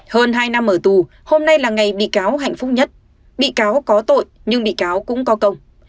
hơn hai năm ở tù hôm nay là ngày bị cáo hạnh phúc nhất bị cáo có tội nhưng bị cáo cũng có công